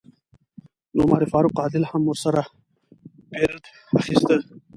د عمر فاروق عادل هم ورسره پیرډ اخیسته.